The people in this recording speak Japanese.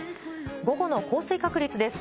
午後の降水確率です。